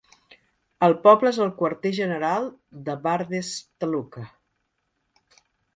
El poble és el quarter general de Bardez Taluka.